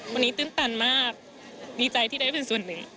วันนี้ตื่นตันมากดีใจที่ได้เป็นส่วนหนึ่ง